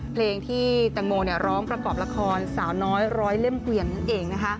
เพลงที่แตงโมร้องประกอบละครสาวน้อยร้อยเล่มเกวียนนั่นเองนะคะ